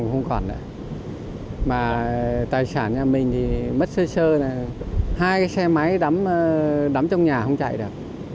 hai cái xe máy đắm trong nhà không chạy được